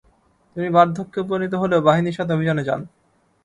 তিনি বার্ধক্যে উপনীত হলেও বাহিনীর সাথে অভিযানে যান।